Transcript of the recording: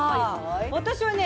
私はね